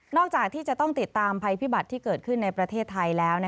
จากที่จะต้องติดตามภัยพิบัติที่เกิดขึ้นในประเทศไทยแล้ว